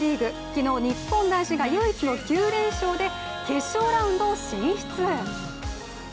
昨日、日本男子が唯一の９連勝で決勝ラウンド進出。